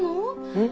うん？